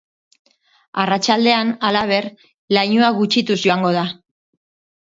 Arratsaldean, halaber, lainoa gutxituz joango da.